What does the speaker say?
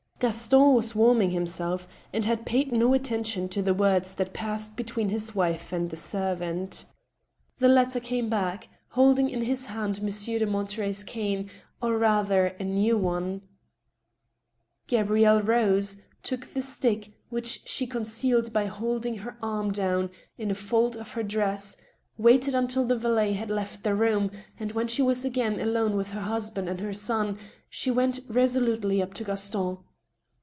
Gaston was warming himself, and had paid no attention to the words that passed between his wife and the servant. The latter came back, holding in his hand Monsieur de Monte rey's cane, or rather a new one. 68 THE STEEL HAMMER, Gabrielle rose, took the stick, which she concealed by holding her arm down In a fold of her dress, waited till the valet had left the room, and, when she was again alone with her husband and her son, she went resolutely' up to Oaston.